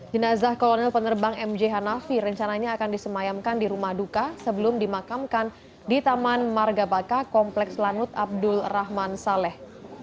jenazah kolonel penerbang mj hanafi rencananya akan disemayamkan di rumah duka sebelum dimakamkan di taman margabaka kompleks lanut abdul rahman saleh